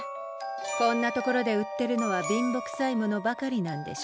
こんな所で売ってるのは貧乏くさいものばかりなんでしょうねえ。